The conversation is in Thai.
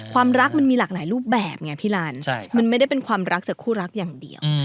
ความรักมันมีหลากหลายรูปแบบไงพี่ลันมันไม่ได้เป็นความรักจากคู่รักอย่างเดียว